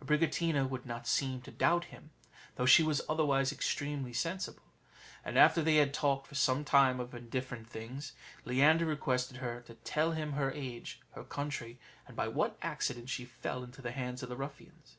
Abricotina would not seem to doubt him, though she was otherwise extremely sensible. And after they had talked for some time of indifferent things, Leander requested her to tell him her age, her country, and by what accident she fell into the hands of the ruffians.